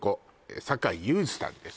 酒井雄二さんです